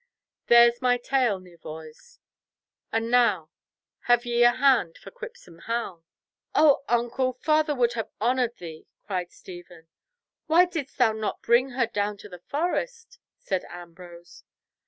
There's my tale, nevoys. And now, have ye a hand for Quipsome Hal?" "O uncle! Father would have honoured thee!" cried Stephen. "Why didst thou not bring her down to the Forest?" said Ambrose.